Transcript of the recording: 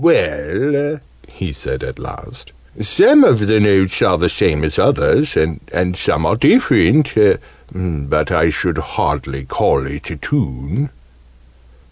"Well," he said at last, "some of the notes are the same as others and some are different but I should hardly call it a tune."